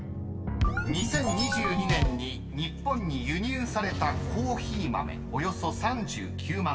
［２０２２年に日本に輸入されたコーヒー豆およそ３９万ｔ］